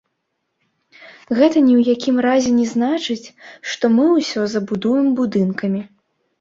Гэта ні ў якім разе не значыць, што мы ўсё забудуем будынкамі.